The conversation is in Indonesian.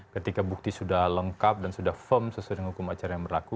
ketika bukti sudah lengkap dan sudah firm sesuai dengan hukum acara yang berlaku